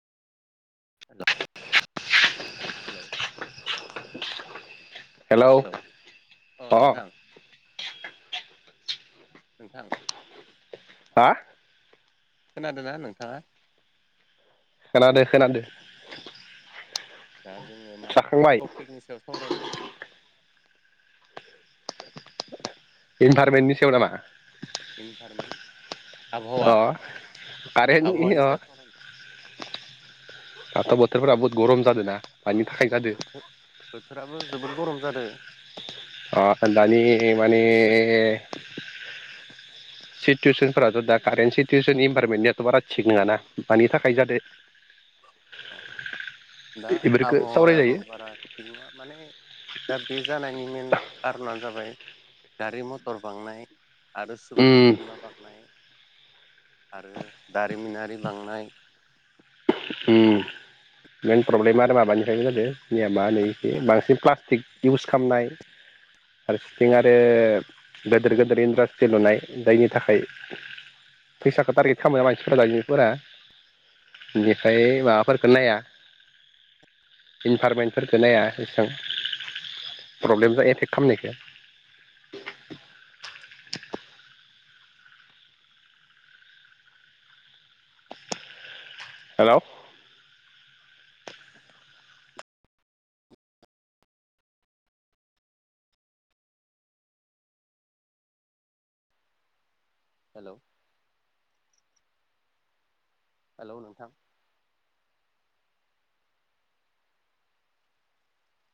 हेल' [inaudible] hello अ नोंथां नोंथां हा खोनादोंना नोंथाङा खोनादो खोनादो दा जोङो मा जाखांबाय टपिकनि सायाव सावरायनो इनभारमेन्टनि सायाव नामा आबहावा अ कारेन्टनि आबहावानि अ सायाव स दाथ' बोथोरफोरा बुहुत गरम जादोना मानि थाखाय जादो बोथोराबो जोबोद गरम जादों [inaudible] ओह दानि माने सिटुवेसन फोरथ' दा कारेन्ट सिटुवेसन इनभारमेन्टनियाथ' बारा थिग नङाना मानि थाखाय जादों दा आबहावायाबो सावरायजायो बारा थिग नङा माने दा बे जानायनि मेन कारन जाबाय गारि मटर बांनाय आरो उम सुबुं अनजिमा बांनाय आरो दारिमिनारि बांनाय मइन प्रब्लेमा आरो माबानिफ्रायनो जादों जोंनिया मा होनो बांसिन प्लास्टिक इउस खालामनाय फारसेथिं आरो गोदिर गोेदेर इन्डास्ट्रि लुनाय जायनि थाखाय फैसाखौ टारगेट खालाम मानसिफोरा दायजोमफोरा बेनिफ्राय माबाफोरखौ नाया इनभारमेन्टफोरखौ नाया एसेबां प्रब्लेमजों एटेक खालामनायखौ हेलौ हेलौ हेलौ नोंथां